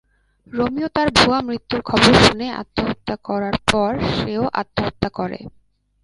Romeo তার ভুয়া মৃত্যুর খবর শুনে আত্মহত্যা করার পর সেও আত্মহত্যা করে।